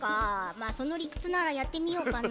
まあそのりくつならやってみようかな。